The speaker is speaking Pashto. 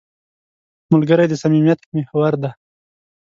ملګری د صمیمیت محور دی